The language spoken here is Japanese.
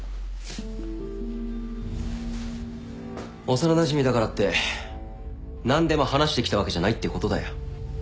幼なじみだからって何でも話してきたわけじゃないってことだよ。